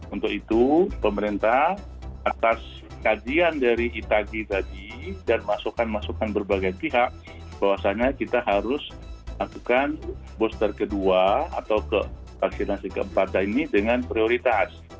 untuk itu pemerintah atas kajian dari itagi tadi dan masukan masukan berbagai pihak bahwasanya kita harus lakukan booster kedua atau ke vaksinasi keempat ini dengan prioritas